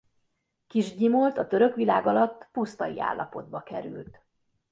Kis-Gyimolt a török világ alatt pusztai állapotba került.